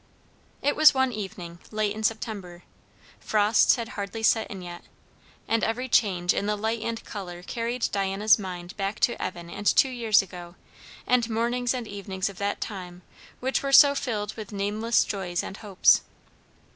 It was one evening late in September. Frosts had hardly set in yet, and every change in the light and colour carried Diana's mind back to Evan and two years ago, and mornings and evenings of that time which were so filled with nameless joys and hopes.